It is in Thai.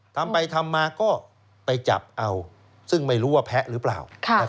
ทำไปทำมาก็ไปจับเอาซึ่งไม่รู้ว่าแพ้หรือเปล่า